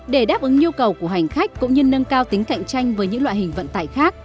để đáp ứng nhu cầu của hành khách cũng như nâng cao tính cạnh tranh với những loại hình vận tải khác